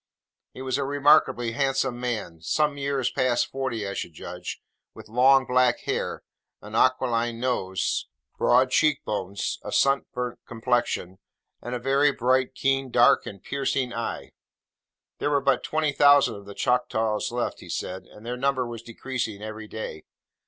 He was a remarkably handsome man; some years past forty, I should judge; with long black hair, an aquiline nose, broad cheek bones, a sunburnt complexion, and a very bright, keen, dark, and piercing eye. There were but twenty thousand of the Choctaws left, he said, and their number was decreasing every day.